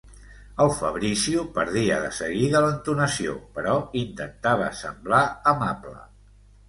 El Fabrizio perdia de seguida l'entonació però intentava semblar amable.